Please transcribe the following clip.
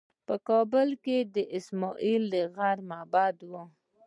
په کابل کې د اسمايي غره معبد و